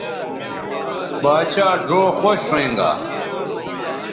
باچھا ڙھؤ خوش ھوینگا